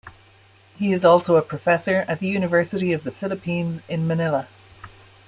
He is also a professor at the University of the Philippines in Manila.